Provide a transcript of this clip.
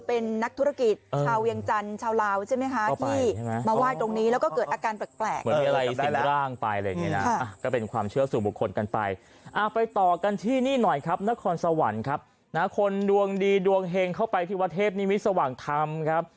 เป็นนักธุรกิจชาวเวียงจันทร์ชาวลาวใช่ไหมคะ